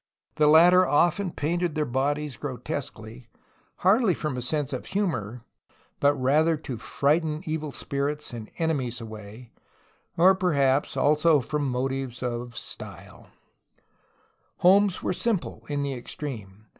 The latter often 14 A HISTORY OF CALIFORNIA painted their bodies grotesquely, hardly from a sense of humor, but rather to frighten evil spirits and enemies away, or perhaps also from motives of "style/' Homes were simple in the extreme.